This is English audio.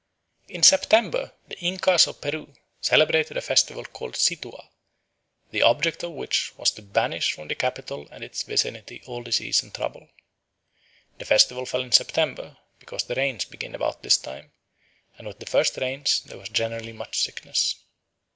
In September the Incas of Peru celebrated a festival called Situa, the object of which was to banish from the capital and its vicinity all disease and trouble. The festival fell in September because the rains begin about this time, and with the first rains there was generally much sickness.